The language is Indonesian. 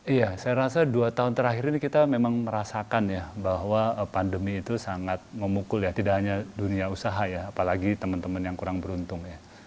iya saya rasa dua tahun terakhir ini kita memang merasakan ya bahwa pandemi itu sangat memukul ya tidak hanya dunia usaha ya apalagi teman teman yang kurang beruntung ya